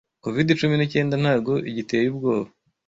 covid cumi n'icyenda ntago igiteye ubwoba?